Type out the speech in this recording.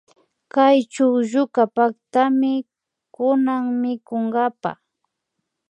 Kay chuklluka paktami kunan mikunkapa